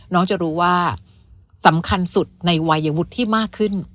น้องจะรู้ว่าสำคัญสุดในวัยวุฒิที่มากขึ้น